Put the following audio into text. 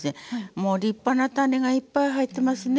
もう立派な種がいっぱい入ってますね。